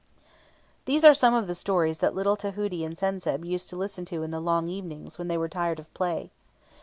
These are some of the stories that little Tahuti and Sen senb used to listen to in the long evenings when they were tired of play.